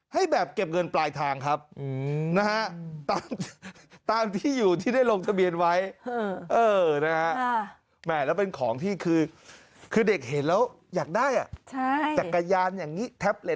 เห็นแล้วอยากได้อ่ะใช่จักรยานอย่างงี้แท็บเล็ตอย่างงี้